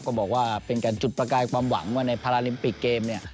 ก็บอกว่าเป็นการจุดประกายความหวังว่าในพาราลิมปิกเกมเนี่ย